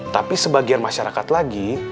tapi sebagian masyarakat lagi